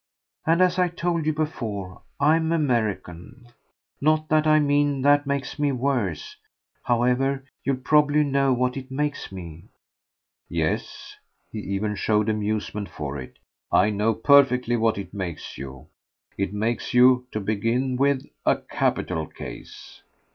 And, as I told you before, I'm American. Not that I mean that makes me worse. However, you'll probably know what it makes me." "Yes" he even showed amusement for it. "I know perfectly what it makes you. It makes you, to begin with, a capital case."